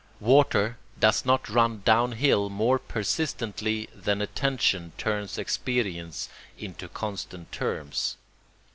Water does not run down hill more persistently than attention turns experience into constant terms.